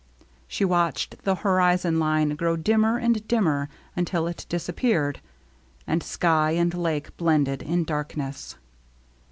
She watched the horizon line grow dimmer and dimmer until it disappeared, and sky and lake blended in 196 THE MERRT ANNE darkness.